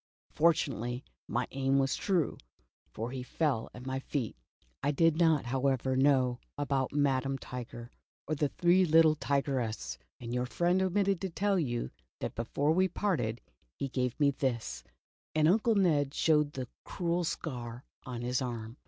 Fortunately, my aim was true, for he fell at my feet. I did not, however, know about Madam Tiger or the three little Tigerses, and your friend omitted to tell you that before we parted he gave me this," and Uncle Ned showed the cruel scar on his arm.